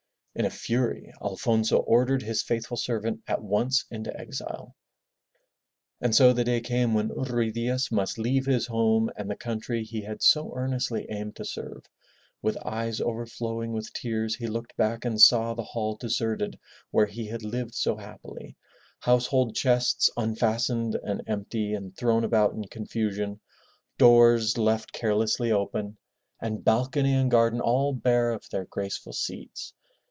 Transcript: In a fury Alfonso ordered his faithful servant at once into exile. And so the day came when Ruy Diaz must leave his home and the country he had so earnestly aimed to serve. With eyes over flowing with tears he looked back and saw the hall deserted where he had lived so happily, household chests unfastened and empty and thrown about in confusion, doors left carelessly open, and 316 FROM THE TOWER WINDOW balcony and garden all bare of their graceful seats.